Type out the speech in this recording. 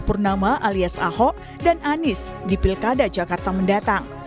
purnama alias ahok dan anies di pilkada jakarta mendatang